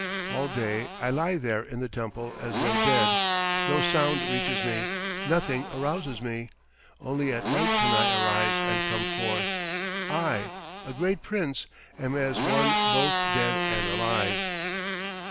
All day I lie there in the temple as though dead; no sound reaches me, nothing arouses me; only at night can I arise and come forth. I, a great prince, am as one both dead and alive."